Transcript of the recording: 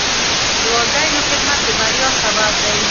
د والدینو خدمت د بریا سبب دی.